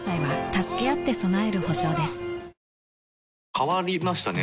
変わりましたね。